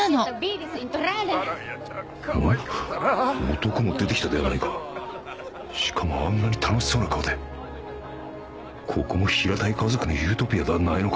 男も出てきたではないかしかもあんなに楽しそうな顔でここも平たい顔族のユートピアではないのか？